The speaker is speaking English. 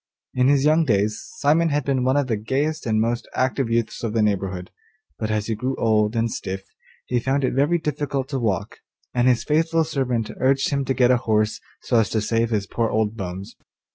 In his young days Simon had been one of the gayest and most active youths of the neighbourhood, but as he grew old and stiff he found it very difficult to walk, and his faithful servant urged him to get a horse so as to save his poor old bones.